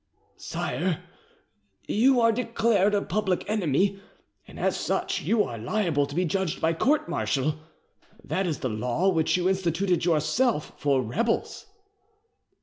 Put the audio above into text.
"Sire, you are declared a public enemy, and as such you are liable to be judged by court martial: that is the law which you instituted yourself for rebels."